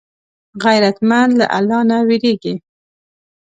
غیرتمند له الله نه وېرېږي